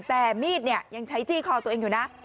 แต่มีดเนี่ยยังใช้จี้คอตัวเองอยู่นะ